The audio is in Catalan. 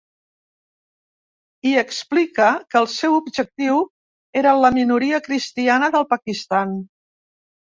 Hi explica que el seu objectiu era la minoria cristiana del Pakistan.